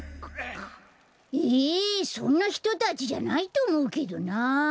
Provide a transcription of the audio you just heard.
ええそんなひとたちじゃないとおもうけどな。